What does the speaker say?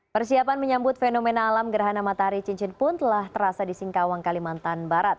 persiapan menyambut fenomena alam gerhana matahari cincin pun telah terasa di singkawang kalimantan barat